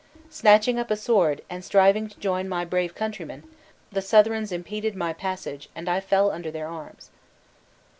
Snatching up a sword, and striving to join my brave countrymen, the Southrons impeded my passage, and I fell under their arms."